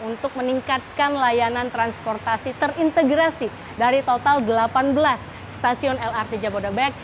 untuk meningkatkan layanan transportasi terintegrasi dari total delapan belas stasiun lrt jabodebek